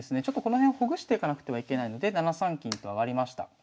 ちょっとこの辺をほぐしていかなくてはいけないので７三金と上がりました。